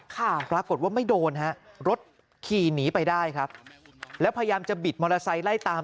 ปรากฏว่าไม่โดนฮะรถขี่หนีไปได้ครับแล้วพยายามจะบิดมอเตอร์ไซค์ไล่ตาม